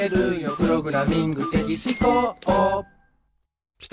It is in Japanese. プログラミング的思考」